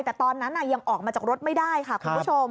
แต่ตอนนั้นยังออกมาจากรถไม่ได้ค่ะคุณผู้ชม